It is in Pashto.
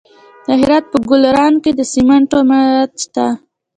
د هرات په ګلران کې د سمنټو مواد شته.